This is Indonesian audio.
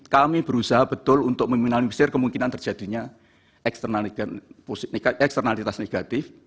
kami berusaha betul untuk meminialisir kemungkinan terjadinya eksternalitas negatif